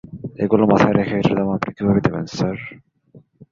এগুলো মাথায় রেখে, এটার দাম আপনি কিভাবে দেবেন, স্যার?